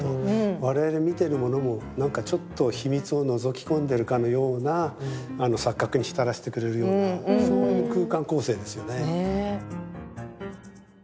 我々見ているものもなんかちょっと秘密をのぞき込んでるかのような錯覚に浸らしてくれるようなそういう空間構成ですよね。